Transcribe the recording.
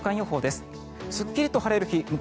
すっきりと晴れる日向